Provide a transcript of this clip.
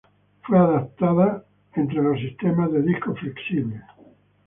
Fue adaptada entre los sistemas de discos flexibles.